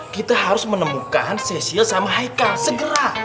kita harus menemukan cecil sama haikal segera